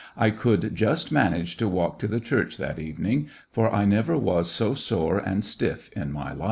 I could just manage to walk to the church that evening, for I never was so sore and stiff in my life.